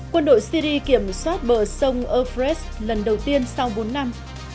quân đội syri kiểm soát bờ sông opress lần đầu tiên sau bốn năm